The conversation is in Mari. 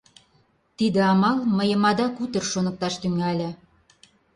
Тиде амал мыйым адак утыр шоныкташ тӱҥале.